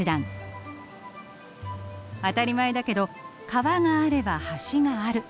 当たり前だけど川があれば橋がある。